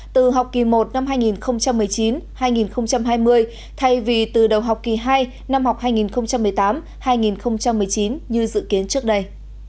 từ học kỳ một năm hai nghìn một mươi chín hai nghìn hai mươi thay vì từ đầu học kỳ hai năm học hai nghìn một mươi tám hai nghìn một mươi chín như dự kiến trước đây